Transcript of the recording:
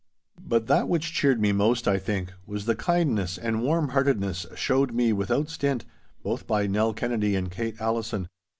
But that which cheered me most, I think, was the kindness and warm heartedness showed me without stint, both by Nell Kennedy and Kate Allison.